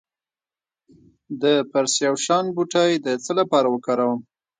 د پرسیاوشان بوټی د څه لپاره وکاروم؟